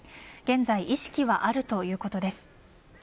現在意識はあるということです。